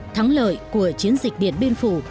thắng lợi của chiến dịch điện biên phủ